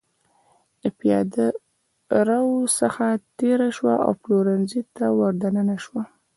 له پېاده رو څخه تېره شوه او پلورنځي ته ور دننه شوه.